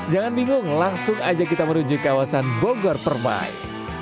jangan bingung langsung aja kita menuju kawasan bogor permai